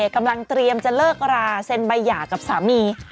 กำลังเตรียมจะเลิกราเซ็นใบหย่ากับสามี